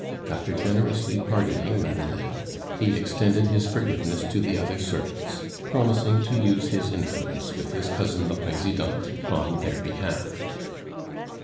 After generously pardoning Madeleine, he extended his forgiveness to the other servants, promising to use his influence with his cousin the Presidente on their behalf.